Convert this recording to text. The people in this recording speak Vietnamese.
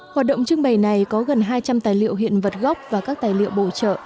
hoạt động trưng bày này có gần hai trăm linh tài liệu hiện vật gốc và các tài liệu bổ trợ